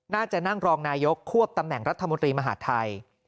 นั่งรองนายกควบตำแหน่งรัฐมนตรีมหาดไทย